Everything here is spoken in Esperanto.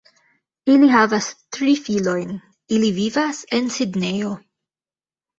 Ili havas tri filojn, ili vivas en Sidnejo.